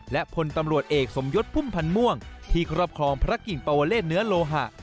และพลตำรวจเอกสมยศพุ่มพันธ์ม่วงที่ครอบครองพระกิ่งปวเลศเนื้อโลหะ